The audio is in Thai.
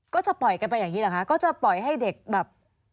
ก็จะปล่อยกันไปอย่างนี้เหรอคะก็จะปล่อยให้เด็กแบบ